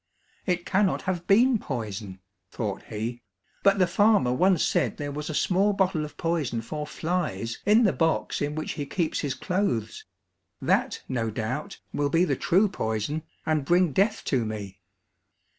"It cannot have been poison," thought he, "but the farmer once said there was a small bottle of poison for flies in the box in which he keeps his clothes; that, no doubt, will be the true poison, and bring death to me."